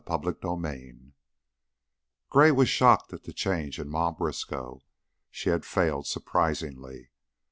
CHAPTER XXV Gray was shocked at the change in Ma Briskow. She had failed surprisingly.